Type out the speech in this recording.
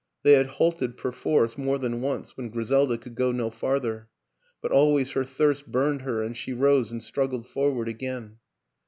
They had halted perforce more than once when Griselda could go no farther ; but always her thirst burned her, and she rose and struggled forward again.